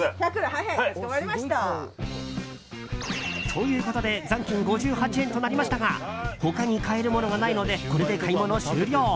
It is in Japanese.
ということで残金５８円となりましたが他に買えるものがないのでこれで買い物終了。